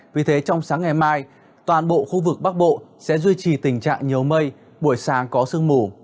vì thế trong sáng ngày mai toàn bộ khu vực bắc bộ sẽ duy trì tình trạng nhiều mây buổi sáng có sương mù